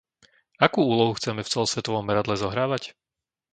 Akú úlohu chceme v celosvetovom meradle zohrávať?